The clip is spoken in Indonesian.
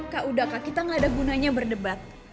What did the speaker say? kak udah kak kita gak ada gunanya berdebat